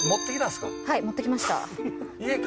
はい持って来ました。